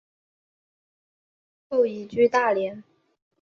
后移居大连。